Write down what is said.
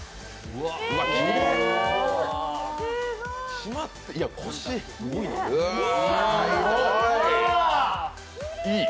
うわ、きれい。